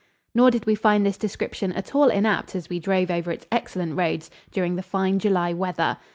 Nor did we find this description at all inapt as we drove over its excellent roads during the fine July weather.